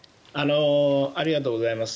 ありがとうございます。